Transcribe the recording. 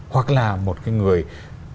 hoặc là một người mạng